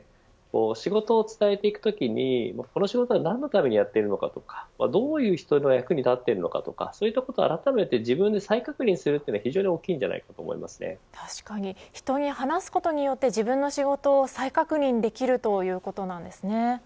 仕事を伝えていくときにこの仕事は何のためにやっているのかとかどういう人の役に立っているのかとかそういうことをあらためて自分で再確認することは確かに人に話すことによって自分の仕事を再確認できるということなんですね。